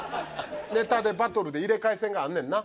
ネタでバトルで入れ替え戦があんねんな。